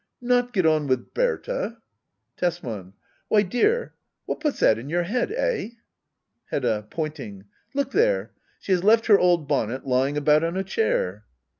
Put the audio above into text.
Not get on with Berta ? Tesman. Why, dear, what puts that in your head ? Eh ? Hedda. [Poiniing.] Look there ! She has left her old bonnet lying about on a chair.